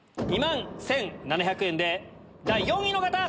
２万１７００円で第４位の方！